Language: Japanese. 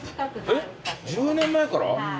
えっ１０年前から？